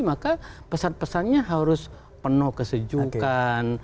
maka pesan pesannya harus penuh kesejukan